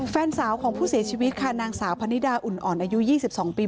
แฟนสาวของผู้เสียชีวิตค่ะนางสาวพนิดาอุ่นอ่อนอายุ๒๒ปี